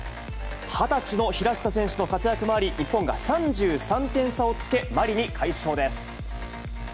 ２０歳の平下選手の活躍もあり、日本が３３点差をつけ、マリに快勝です。